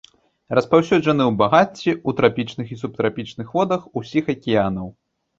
Распаўсюджаны ў багацці ў трапічных і субтрапічных водах усіх акіянаў.